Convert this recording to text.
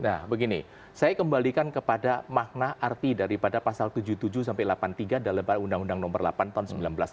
nah begini saya kembalikan kepada makna arti daripada pasal tujuh puluh tujuh sampai delapan puluh tiga dalam undang undang nomor delapan tahun seribu sembilan ratus delapan puluh